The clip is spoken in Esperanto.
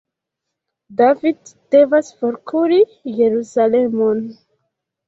David devas forkuri Jerusalemon.